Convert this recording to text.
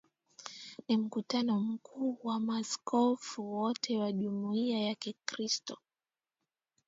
Ni Mkutano Mkuu wa Maaskofu wote wa Jumuiya ya Kikristu